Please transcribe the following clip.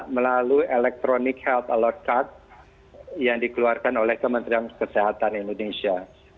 melalui electronic health alert card yang dikeluarkan oleh kementerian kesehatan indonesia